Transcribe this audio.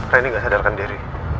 randy gak sadarkan diri